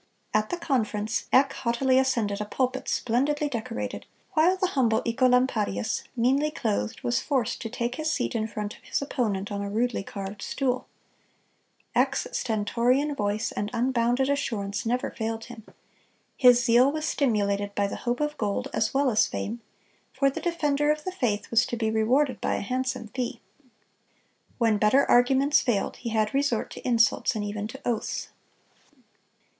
At the conference, "Eck haughtily ascended a pulpit splendidly decorated, while the humble Œcolampadius, meanly clothed, was forced to take his seat in front of his opponent on a rudely carved stool."(261) Eck's stentorian voice and unbounded assurance never failed him. His zeal was stimulated by the hope of gold as well as fame; for the defender of the faith was to be rewarded by a handsome fee. When better arguments failed, he had resort to insults, and even to oaths.